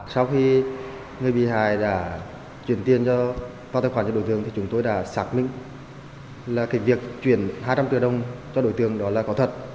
sau khi người bị hài đã chuyển tiền vào tài khoản cho đối tượng chúng tôi đã xác minh việc chuyển hai trăm linh triệu đồng cho đối tượng là có thật